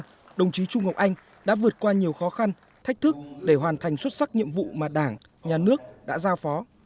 nhưng đồng chí trung ngọc anh đã vượt qua nhiều khó khăn thách thức để hoàn thành xuất sắc nhiệm vụ mà đảng nhà nước đã giao phó